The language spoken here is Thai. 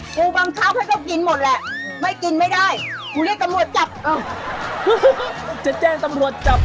กูบางครั้งก็ต้องกินหมดแหละไม่กินไม่ได้กูเรียกตำรวจจับ